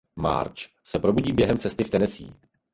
Marge se probudí během cesty v Tennessee.